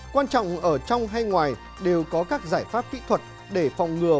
quan trọng ở trong hay ngoài đều có các giải pháp kỹ thuật để phòng ngừa